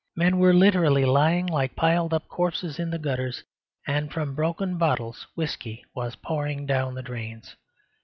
Men were literally lying like piled up corpses in the gutters, and from broken bottles whisky was pouring down the drains.